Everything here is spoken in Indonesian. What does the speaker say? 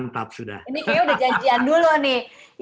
ini kayaknya udah janjian dulu nih